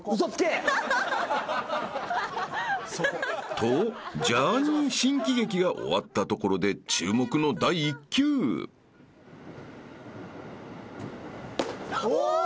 ［とジャーニー新喜劇が終わったところで注目の第１球］お！